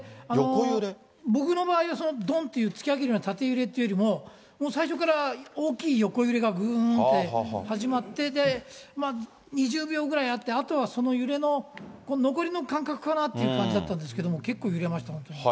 僕の場合はどんっていう突き上げるような縦揺れっていうよりも、もう最初から大きい横揺れがぐーんって始まって、で、２０秒ぐらいあって、あとはその揺れの、残りの感覚かなっていう感じだったんですけれども、結構揺れました、本当に。